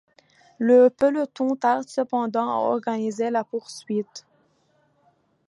Le peloton tarde cependant à organiser la poursuite.